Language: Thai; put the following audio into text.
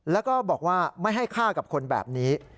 แล้วก็บอกว่าไม่ให้ฆ่ากับคนแบบนี้